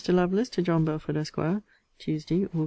LOVELACE, TO JOHN BELFORD, ESQ. TUESDAY, AUG.